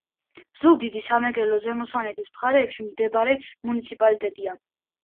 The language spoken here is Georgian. ზუგდიდი სამეგრელო - ზემო სვანეთის მხარეში მდებარე მუნიციპალიტეტია.